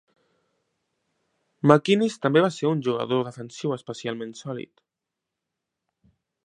McInnis també va ser un jugador defensiu especialment sòlid.